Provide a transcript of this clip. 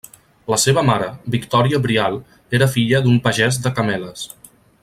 La seva mare, Victòria Brial, era filla d'un pagès de Cameles.